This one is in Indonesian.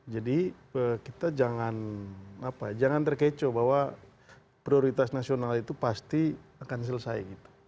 jadi kita jangan terkecoh bahwa prioritas nasional itu pasti akan selesai